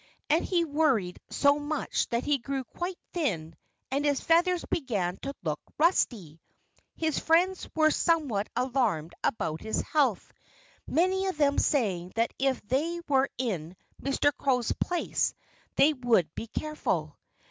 And he worried so much that he grew quite thin and his feathers began to look rusty. His friends were somewhat alarmed about his health, many of them saying that if they were in Mr. Crow's place they would be careful.